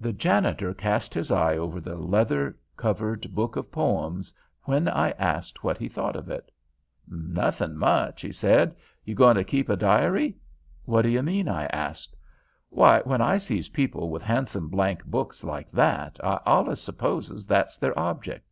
The janitor cast his eye over the leather covered book of poems when I asked what he thought of it. "Nothin' much," he said. "You goin' to keep a diary?" "What do you mean?" I asked. "Why, when I sees people with handsome blank books like that I allus supposes that's their object."